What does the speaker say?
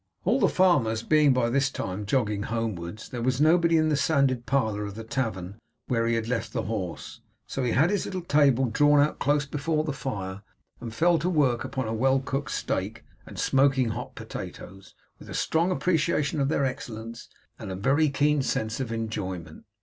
All the farmers being by this time jogging homewards, there was nobody in the sanded parlour of the tavern where he had left the horse; so he had his little table drawn out close before the fire, and fell to work upon a well cooked steak and smoking hot potatoes, with a strong appreciation of their excellence, and a very keen sense of enjoyment.